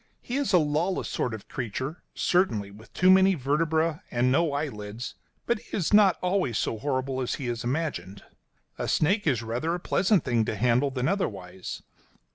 He is a lawless sort of creature, certainly, with too many vertebræ and no eyelids; but he is not always so horrible as he is imagined. A snake is rather a pleasant thing to handle than otherwise.